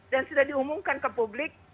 dan sudah diumumkan ke publik